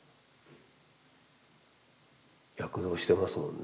躍動してますもんね